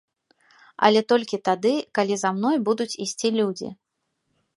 Але толькі тады, калі за мной будуць ісці людзі.